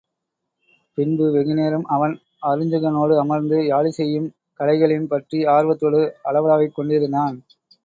பின்பு வெகுநேரம் அவன் அருஞ்சுகனோடு அமர்ந்து, யாழிசையையும் கலைகளையும் பற்றி ஆர்வத்தோடு அளவளாவிக் கொண்டிருந்தான்.